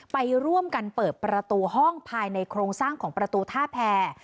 ไปร่วมกันเปิดประตูห้องภายในโครงสร้างของประตูท่าแพร